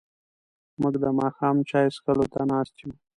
موږ د ماښام چای څښلو ته ناست یو.